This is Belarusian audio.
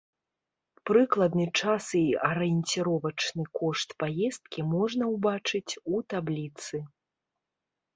Прыкладны час і арыенціровачны кошт паездкі можна ўбачыць у табліцы.